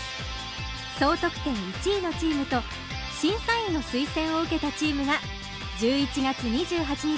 総得点１位のチームと審査員の推薦を受けたチームが１１月２８日